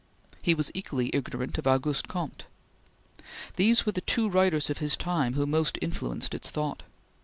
He was equally ignorant of Auguste Comte. These were the two writers of his time who most influenced its thought.